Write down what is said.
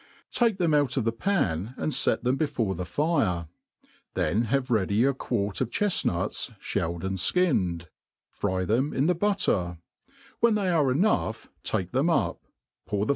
Take tbein Oilt of the pan, dknd fet^ them before thtt fire ; then have^rei^y ^ qiiaet of chefhuts ihellcd and' fkikmed, fry them in Che butter ; when they are enough tskethem up, pour the